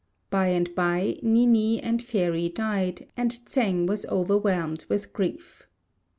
By and by, Ni ni and Fairy died, and Tsêng was overwhelmed with grief.